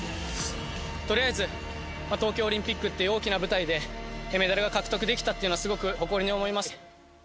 とりあえず東京オリンピックっていう大きな舞台で、メダルが獲得できたっていうのはすごく誇りに思います。